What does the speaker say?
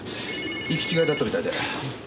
行き違いだったみたいで。